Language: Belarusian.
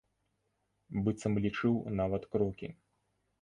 Быццам лічыў нават крокі.